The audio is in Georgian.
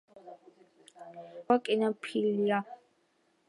მისი საწინააღმდეგოა გინეფილია.